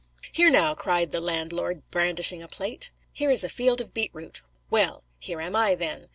'Here now,' cried the landlord, brandishing a plate, 'here is a field of beet root. Well. Here am I then.